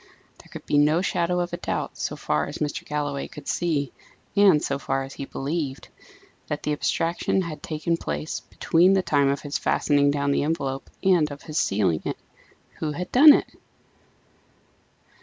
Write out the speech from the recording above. There could be no shadow of doubt, so far as Mr. Galloway could see, and so far as he believed, that the abstraction had taken place between the time of his fastening down the envelope and of his sealing it. Who had done it?